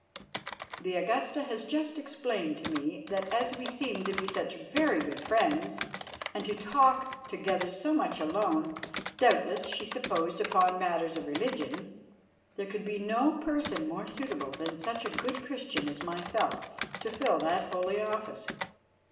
The Augusta has just explained to me that as we seem to be such very good friends, and to talk together so much alone, doubtless, she supposed, upon matters of religion, there could be no person more suitable than such a good Christian as myself to fill that holy office."